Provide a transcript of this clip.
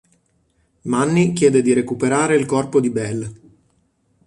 Manny chiede di recuperare il corpo di Belle.